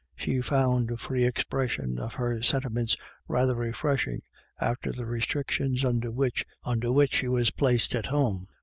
She found a free ex pression of her sentiments rather refreshing after the restrictions under which she was placed at home.